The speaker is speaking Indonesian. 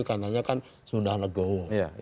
karena dia kan sudah legowo